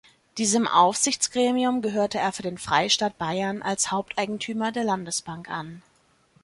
Diesem Aufsichtsgremium gehörte er für den Freistaat Bayern als Haupteigentümer der Landesbank an.